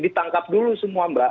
ditangkap dulu semua mbak